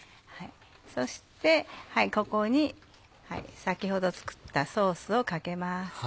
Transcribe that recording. そしてここに先ほど作ったソースをかけます。